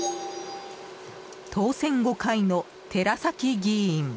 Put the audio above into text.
当選５回の寺崎議員。